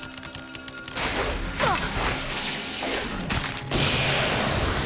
あっ！